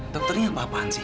dokternya apa apaan sih